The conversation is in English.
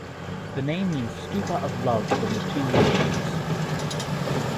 The name means "Stupa of Love from the Two Nations".